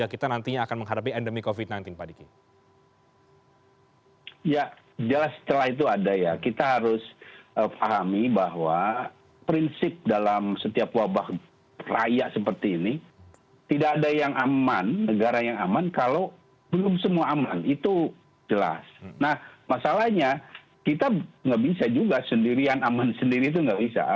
kita nggak bisa juga sendirian aman sendiri itu nggak bisa